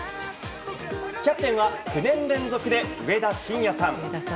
キャプテンは９年連続で上田晋也さん。